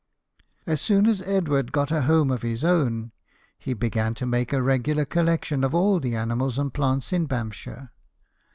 As soon as Edward got a home of his own, he began to make a regular collection of all the animals and plants in Banffshire.